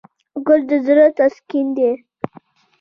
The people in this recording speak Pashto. ګل د زړه تسکین دی.